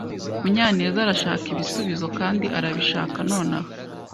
Munyanez arashaka ibisubizo kandi arabishaka nonaha.